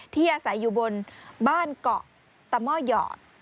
ที่อาศัยอยู่บนบ้านเกาะตะหม้อหยอด